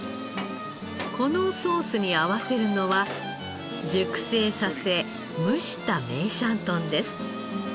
このソースに合わせるのは熟成させ蒸した梅山豚です。